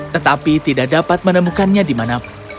tetapi tidak dapat menemukannya di manapun